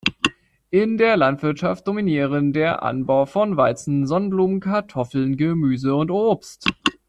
In der Landwirtschaft dominieren der Anbau von Weizen, Sonnenblumen, Kartoffeln, Gemüse und Obst.